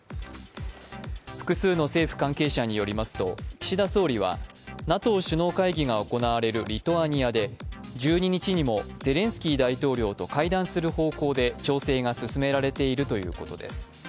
複数の政府関係者によりますと岸田総理はＮＡＴＯ首脳会議が行われるリトアニアで１２日にもゼレンスキー大統領と会談する方向で調整が進められているということです。